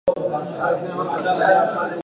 دا د یوه صادق لیکوال نښه ده.